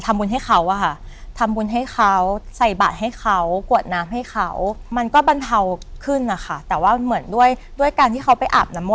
เรารู้สึกได้เลยว่าแบบ